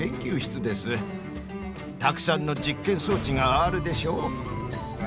たくさんの実験装置があるでしょう？